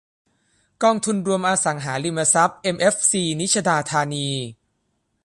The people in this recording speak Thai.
กองทุนรวมอสังหาริมทรัพย์เอ็มเอฟซี-นิชดาธานี